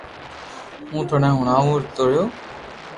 ھون ٿني ھڻاوتو رھيو